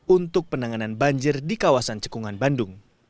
untuk penanganan banjir di kawasan cekungan bandung